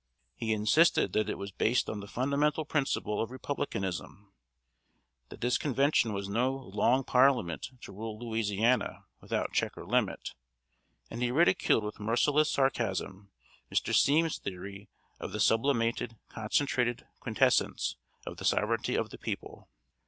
He insisted that it was based on the fundamental principle of Republicanism that this Convention was no Long Parliament to rule Louisiana without check or limit; and he ridiculed with merciless sarcasm Mr. Semmes's theory of the "sublimated, concentrated quintessence of the sovereignty of the people."